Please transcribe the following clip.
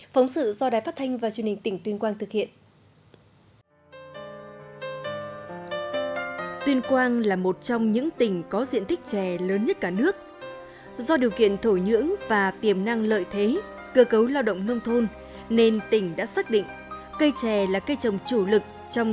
phóng sự do đài phát thanh và truyền hình tỉnh tuyên quang thực hiện